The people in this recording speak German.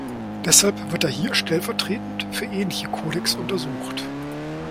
Deshalb wird er hier stellvertretend für ähnliche Codecs untersucht.